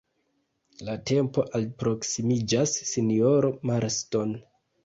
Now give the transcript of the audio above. La tempo alproksimiĝas, sinjoro Marston.